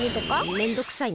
めんどくさいな。